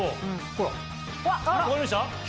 ほら分かりました？